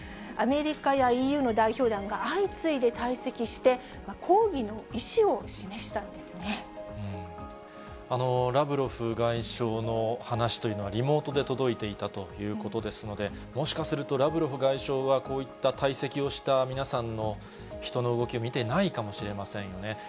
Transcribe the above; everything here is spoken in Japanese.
アメリカやＥＵの代表団が相次いで退席して、ラブロフ外相の話というのは、リモートで届いていたということですので、もしかすると、ラブロフ外相はこういった退席をした皆さんの人の動きを見てないかもしれませんよね。